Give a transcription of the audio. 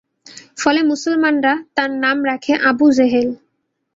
ফলে মুসলমানরা তার নাম রাখে আবু জেহেল।